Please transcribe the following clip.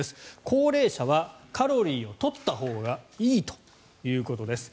高齢者はカロリーを取ったほうがいいということです。